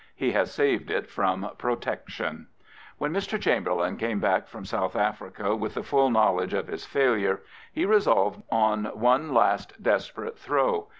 He has saved it from Protection. When Mr. Chamberlain came back from South Africa with the full knowledge of his failure, he resolved on one last desperate throw.